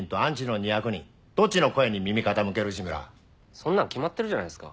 そんなの決まってるじゃないですか。